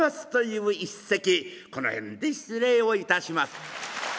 この辺で失礼をいたします。